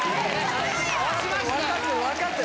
押しました